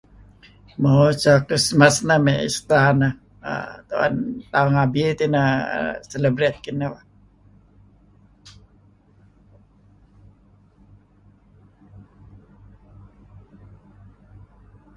Mo eso Krismas neh mey Esta neh, tu 'en tauh ngabi tineh celebrate kineh beh.